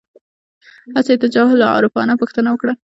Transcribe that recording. هسې یې تجاهل العارفانه پوښتنه وکړه.